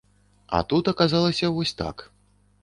І тут аказалася вось так.